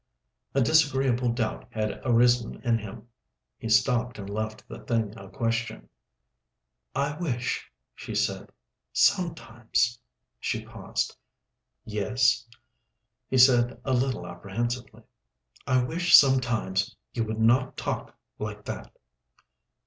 A disagreeable doubt had arisen in him. He stopped and left the thing a question. "I wish," she said, "sometimes—" She paused. "Yes?" he said, a little apprehensively. "I wish sometimes—you would not talk like that."